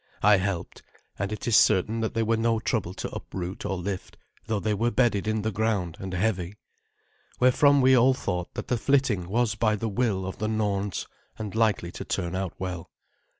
I helped, and it is certain that they were no trouble to uproot or lift, though they were bedded in the ground and heavy. Wherefrom we all thought that the flitting was by the will of the Norns, and likely to turn out well.